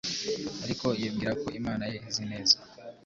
ariko yibwira ko Imana ye izi neza.